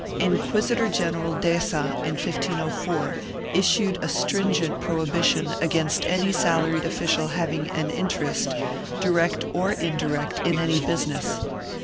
Inquisitor general Deza, in 1504, issued a stringent prohibition against any salaried official having an interest, direct or indirect, in any business.